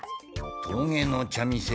「とうげの茶店